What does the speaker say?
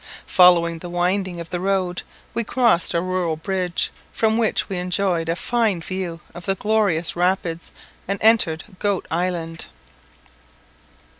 Following the winding of the road, we crossed a rural bridge, from which we enjoyed a fine view of the glorious Rapids, and entered Goat Island.